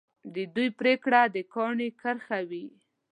د دوی پرېکړه د کاڼي کرښه وي.